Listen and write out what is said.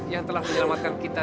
yang telah menyelamatkan kita